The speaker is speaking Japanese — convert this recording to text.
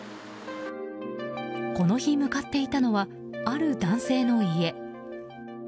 この日向かっていたのはある男性の家。